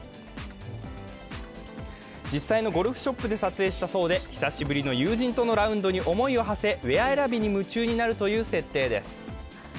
実際のゴルフショップで撮影したそうで、久しぶりの友人とのラウンドに思いをはせ、ウエア選びに夢中になるという設定です。